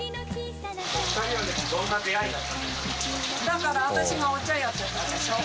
だから私がお茶やってたでしょ？